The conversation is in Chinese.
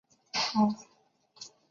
总觉得还不如先前看到的好